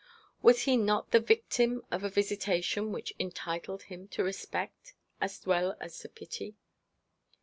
Was he not the victim of a visitation which entitled him to respect as well as to pity?